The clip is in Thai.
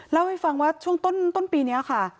เล่าให้ฟังว่าช่วงต้นปีนี้ค่ะ